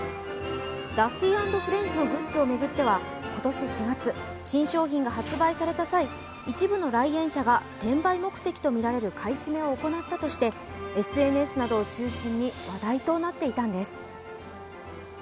ダッフィー＆フレンズのグッズを巡っては今年４月、新商品が発売された際、一部の来園者が転売目的とみられる買い占めを行ったとしてＳＮＳなどを中心に話題となっていたんです。